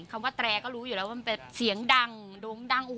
คำว่าแตรก็รู้อยู่แล้วว่ามันเป็นเสียงดังโด่งดัง